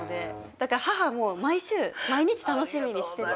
だから母も毎週毎日楽しみにしてて。